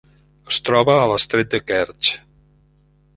Es troba a l'estret de Kertx.